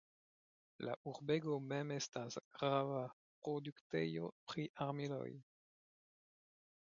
La urbego mem estas grava produktejo pri armiloj.